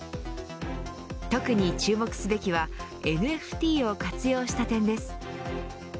特に注目すべきはＮＦＴを活用した点です。